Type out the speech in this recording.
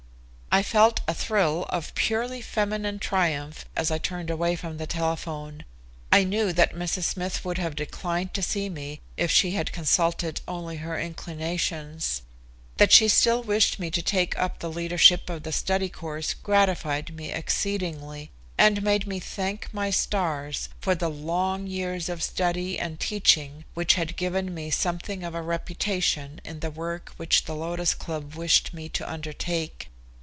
I felt a thrill of purely feminine triumph as I turned away from the telephone. I knew that Mrs. Smith would have declined to see me if she had consulted only her inclinations. That she still wished me to take up the leadership of the study course gratified me exceedingly, and made me thank my stars for the long years of study and teaching which had given me something of a reputation in the work which the Lotus Club wished me to undertake.